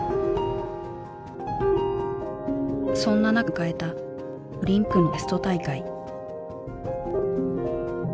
そんな中迎えたオリンピックのテスト大会。